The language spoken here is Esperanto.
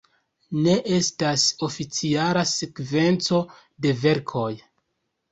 Ne estas oficiala sekvenco de verkoj.